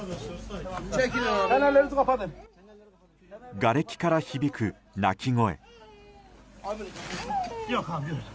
がれきから響く泣き声。